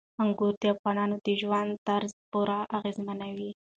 انګور د افغانانو د ژوند طرز پوره اغېزمنوي.